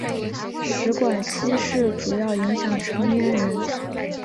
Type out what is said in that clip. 食管憩室主要影响成年人。